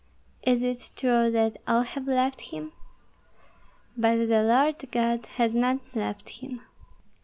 "Is it true that all have left him?" "But the Lord God has not left him."